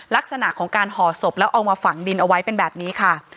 ลักษณะของการห่อศพแล้วเอามาฝังดินเอาไว้เป็นแบบนี้ค่ะ